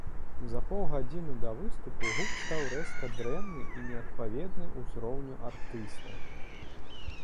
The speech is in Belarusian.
За паўгадзіны да выступу гук стаў рэзка дрэнны і неадпаведны ўзроўню артыста.